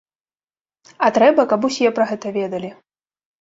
А трэба, каб усе пра гэта ведалі.